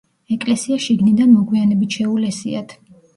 ეკლესია შიგნიდან მოგვიანებით შეულესიათ.